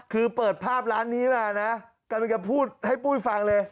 คือเปิดภาพร้านนี้มานะกำลังจะพูดให้ปุ้ยฟังเลย